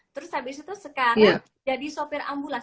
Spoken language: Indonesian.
terus habis itu sekarang jadi sopir ambulans